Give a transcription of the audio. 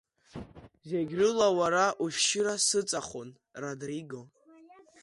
Зегьрыла уара ушәшьыра сыҵахон, Родриго…